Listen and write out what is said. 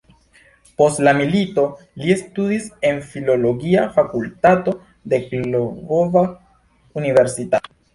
Post la milito li studis en filologia fakultato de Lvova universitato.